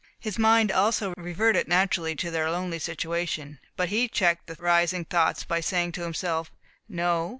His mind also reverted naturally to their lonely situation; but he checked the rising thoughts, by saying to himself, "No.